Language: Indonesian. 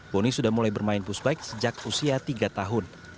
boni sudah mulai bermain pushbike sejak usia tiga tahun